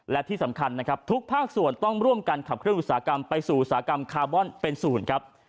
และที่สำคัญนะครับทุกภาคส่วนต้องร่วมกันขับเครื่องอุตสาหกรรมไปสู่อุตสาหกรรมคาร์บอนเป็นศูนย์ครับ